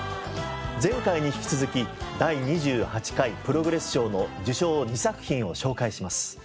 前回に引き続き第２８回ＰＲＯＧＲＥＳＳ賞の受賞２作品を紹介します。